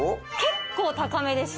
結構高めでした。